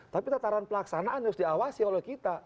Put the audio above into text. tapi tataran pelaksanaan harus diawasi oleh kita